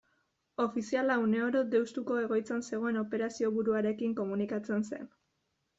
Ofiziala une oro Deustuko egoitzan zegoen operazioburuarekin komunikatzen zen.